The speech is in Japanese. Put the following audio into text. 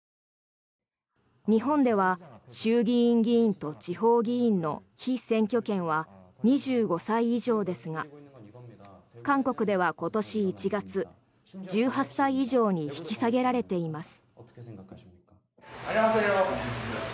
日本では衆議院議員と地方議員の被選挙権は２５歳以上ですが韓国では今年１月、１８歳以上に引き下げられています。